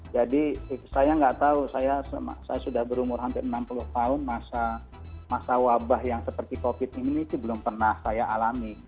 jadi saya nggak tahu saya sudah berumur hampir enam puluh tahun masa wabah yang seperti covid ini belum pernah saya alami